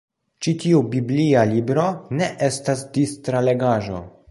Ĉi tiu biblia libro ne estas distra legaĵo.